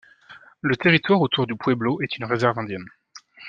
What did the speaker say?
Le territoire autour du pueblo est une Réserve indienne.